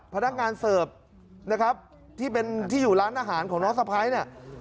พนักงานเสิร์ฟนะครับที่เป็นที่อยู่ร้านอาหารของน้องสะพ้ายเนี่ย